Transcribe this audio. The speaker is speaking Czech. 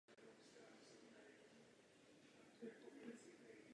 V první řadě bychom měli hovořit o daňové rovnováze.